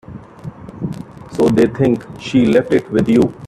So they think she left it with you.